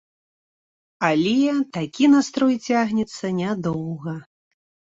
Але такі настрой цягнецца нядоўга.